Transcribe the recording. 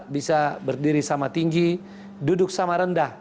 bisa berdiri sama tinggi duduk sama rendah